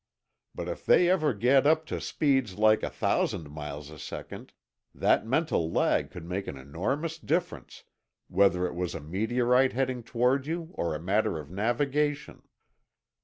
But if they ever get up to speeds like a thousand miles a second, that mental lag could make an enormous difference, whether it was a meteorite heading toward you or a matter of navigation."